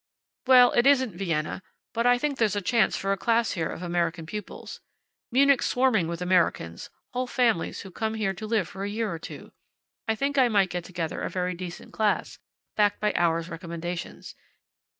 Well, it isn't Vienna, but I think there's a chance for a class here of American pupils. Munich's swarming with Americans whole families who come here to live for a year or two. I think I might get together a very decent class, backed by Auer's recommendations.